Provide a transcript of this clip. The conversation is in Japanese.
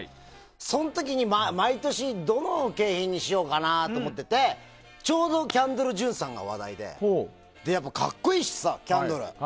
その時に毎年、どの景品にしようかなって思っててちょうどキャンドル・ジュンさんが話題で格好いいしさ、キャンドル。